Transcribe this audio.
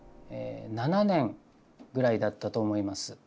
７年ぐらいだったと思います。